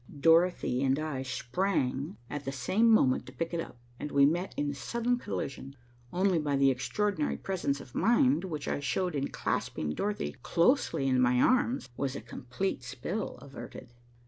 Dorothy and I sprang at the same moment to pick it up, and we met in a sudden collision. Only by the extraordinary presence of mind which I showed in clasping Dorothy closely in my arms was a complete spill averted.